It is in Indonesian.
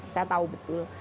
saya tahu betul